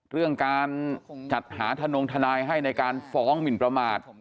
เรื่องการจัดหาธนงทนายให้ในการฟ้องหมินประมาท